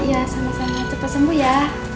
ya sama sama cepat sembuh ya